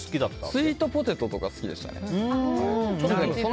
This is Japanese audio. スイートポテトも好きでしたね。